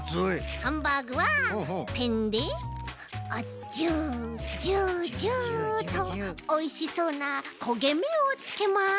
ハンバーグはペンでジュジュジュっとおいしそうなこげめをつけます。